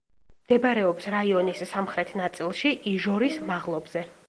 მდებარეობს რაიონის სამხრეთ ნაწილში, იჟორის მაღლობზე.